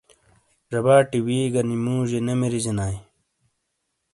ژباٹی وی گہ نی موجئیے نے مریجنائیے ۔